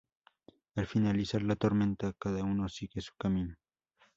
Al finalizar la tormenta, cada uno sigue su camino.